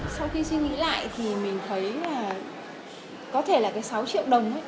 sau khi suy nghĩ lại thì mình thấy là có thể là cái sáu triệu đồng